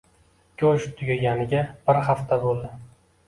Go`sht tugaganiga bir hafta bo`ldi